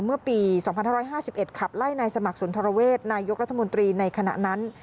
เมื่อปี๒๕๕๑ขับไล่นายสมัครสุนทรเวศนายกรัฐมนตรีในขณะนั้น